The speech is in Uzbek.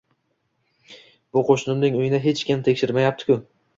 Bu qoʻshnimning uyini hech kim tekshirmayapti-ku.